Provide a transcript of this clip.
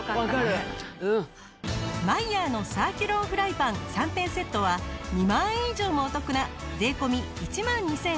マイヤーのサーキュロンフライパン３点セットは２万円以上もお得な税込１万２８００円。